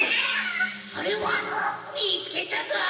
あれはみつけたぞ！